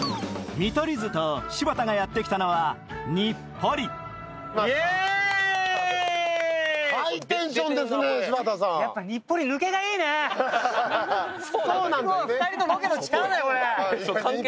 見取り図と柴田がやってきたのは日暮里。